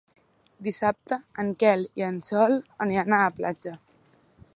Dissabte en Quel i en Sol aniran a la platja.